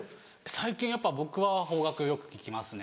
最近やっぱ僕は邦楽よく聴きますね。